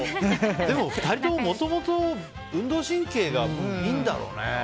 でも、２人とももともと運動神経がいいんだろうね。